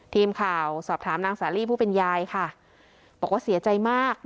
ทีมข่าวสอบถามนางสาลีผู้เป็นยายค่ะบอกว่าเสียใจมาก